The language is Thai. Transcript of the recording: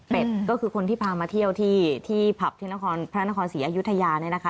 เป็ดก็คือคนที่พามาเที่ยวที่ผับพระนครศรีอยุธยานะคะ